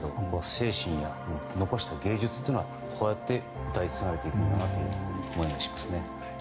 精神や残した芸術というのはこうやって歌い継がれていくんだなという思いがしますね。